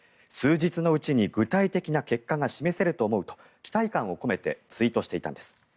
数日のうちに具体的な結果が示せると思うと期待感を込めてツイートしていたんです。